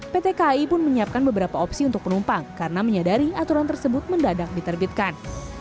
pt kai pun menyiapkan beberapa opsi untuk penumpang karena menyadari aturan tersebut mendadak diterbitkan